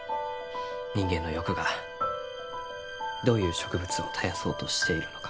人間の欲がどういう植物を絶やそうとしているのか